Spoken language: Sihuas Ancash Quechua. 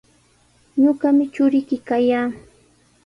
Ñuqami churiyki kallaa.